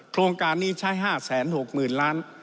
โครงการนี้ใช้๕๖๐๐๐ล้าน